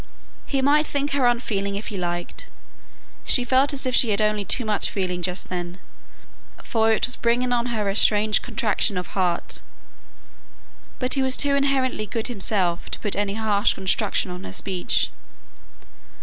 He might think her unfeeling if he liked; she felt as if she had only too much feeling just then, for it was bringing on her a strange contraction of heart. But he was too inherently good himself to put any harsh construction on her speech.